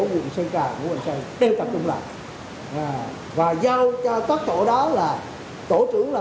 thành phố nguyễn cao công an hải châu đều tập trung lại và giao cho các tổ đó là tổ trưởng là